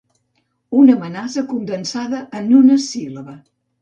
Una amenaça condensada en una síl·laba.